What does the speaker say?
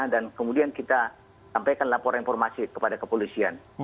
dan kemudian kita sampaikan laporan informasi kepada kepolisian